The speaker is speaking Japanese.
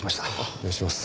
お願いします。